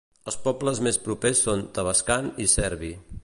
Els pobles més propers són Tavascan i Cerbi.